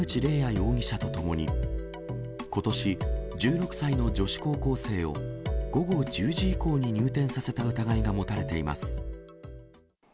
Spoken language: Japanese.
容疑者とともに、ことし、１６歳の女子高校生を午後１０時以降に入店させた疑いが持たれています。